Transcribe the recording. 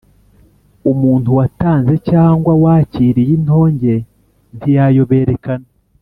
Umuntu watanze cyangwa wakiriye indonke ntiyayoberekana